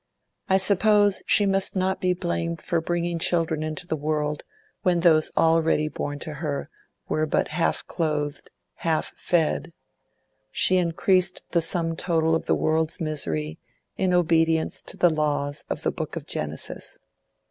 I suppose she must not be blamed for bringing children into the world when those already born to her were but half clothed, half fed; she increased the sum total of the world's misery in obedience to the laws of the Book of Genesis.